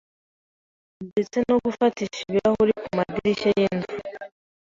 ndetse no gufatisha ibirahuri ku madirishya y'inzu,